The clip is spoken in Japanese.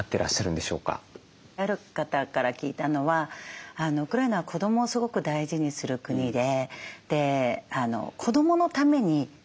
ある方から聞いたのはウクライナは子どもをすごく大事にする国でで子どものために戦ってるんだと。